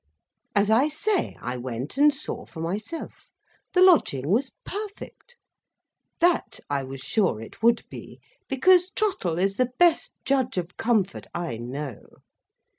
As I say, I went and saw for myself. The lodging was perfect. That, I was sure it would be; because Trottle is the best judge of comfort I know.